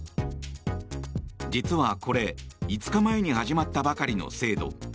実は、これ５日前に始まったばかりの制度。